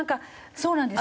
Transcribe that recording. そうなんです。